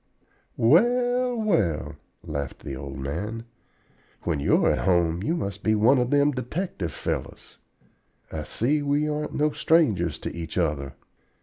"Well, well," laughed the old man, "when you're at home you must be one of them detective fellows. I see we aren't no strangers to each other.